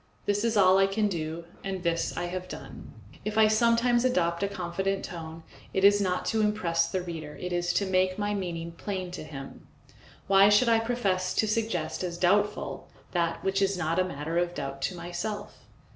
This is all I can do, and this I have done. If I sometimes adopt a confident tone, it is not to impress the reader, it is to make my meaning plain to him. Why should I profess to suggest as doubtful that which is not a matter of doubt to myself?